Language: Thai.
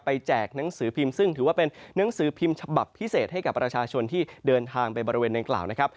แจกหนังสือพิมพ์ซึ่งถือว่าเป็นนังสือพิมพ์ฉบับพิเศษให้กับประชาชนที่เดินทางไปบริเวณนางกล่าวนะครับ